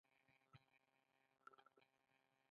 ایا دا شربت خوب راوړي؟